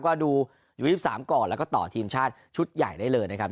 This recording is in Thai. ก็ดูยู๒๓ก่อนแล้วก็ต่อทีมชาติชุดใหญ่ได้เลยนะครับ